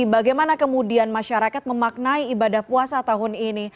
bagaimana kemudian masyarakat memaknai ibadah puasa tahun ini